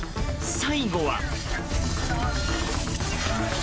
最後は。